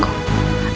aku harus mencari